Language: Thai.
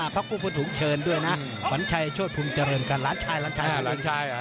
พระคุณผู้ถุงเชิญด้วยนะหวัญชัยโชชภูมิเจริญกันหวัญชัยหวัญชัย